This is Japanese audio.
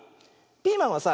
ピーマンはさ